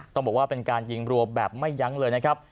ต้องบอกว่าเป็นการยิงรัวแบบไม่ยั้งเลยนะครับ